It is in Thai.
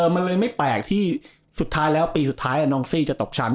มันเลยไม่แปลกที่สุดท้ายแล้วปีสุดท้ายนองซี่จะตกชั้น